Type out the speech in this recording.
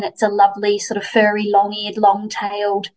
dan itu adalah kakak yang sangat kaya long eared long tailed